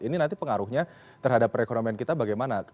ini nanti pengaruhnya terhadap perekonomian kita bagaimana